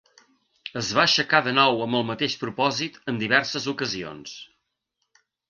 Es va aixecar de nou amb el mateix propòsit en diverses ocasions.